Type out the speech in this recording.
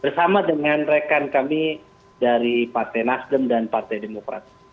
bersama dengan rekan kami dari partai nasdem dan partai demokrat